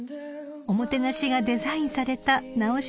［おもてなしがデザインされた直島の空旅です］